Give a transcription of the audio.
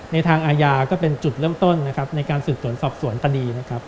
ในทางอาญาก็เป็นจุดเริ่มต้นในการสืบตรวจสอบสวนตะดี